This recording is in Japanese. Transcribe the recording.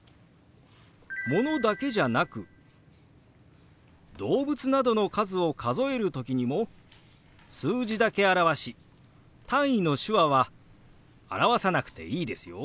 ものだけじゃなく動物などの数を数える時にも数字だけ表し単位の手話は表さなくていいですよ。